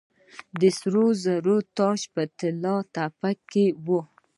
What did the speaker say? د سرو زرو تاج په طلا تپه کې و